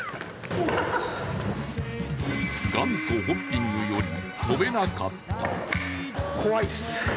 元祖ホッピングより飛べなかった。